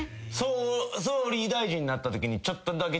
総理大臣になったときにちょっとだけ。